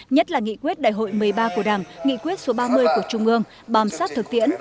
nhất là nghị quyết đại hội một mươi ba của đảng nghị quyết số ba mươi của trung ương bám sát thực tiễn